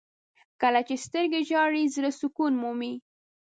• کله چې سترګې ژاړي، زړه سکون مومي.